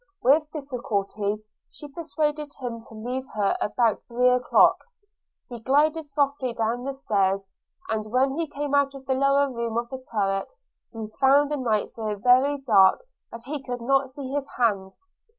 With difficulty she persuaded him to leave her about three o'clock. He glided softly down stairs; and when he came out of the lower room of the turret, he found the night so very dark that he could not see his hand.